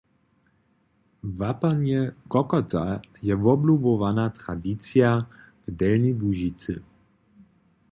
Łapanje kokota je woblubowana tradicija w Delnjej Łužicy.